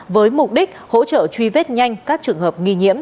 với mục đích hỗ trợ truy vết nhanh các trường hợp nghi nhiễm